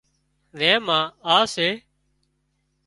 زين مان آ سي سي